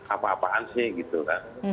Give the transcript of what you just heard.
apa apaan sih gitu kan